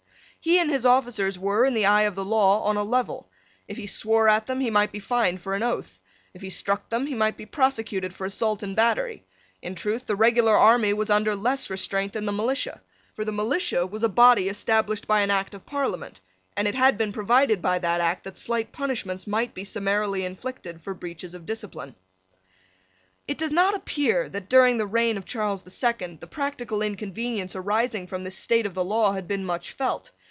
He and his officers were, in the eye of the law, on a level. If he swore at them he might be fined for an oath. If he struck them he might be prosecuted for assault and battery. In truth the regular army was under less restraint than the militia. For the militia was a body established by an Act of Parliament, and it had been provided by that Act that slight punishments might be summarily inflicted for breaches of discipline. It does not appear that, during the reign of Charles the Second, the practical inconvenience arising from this state of the law had been much felt.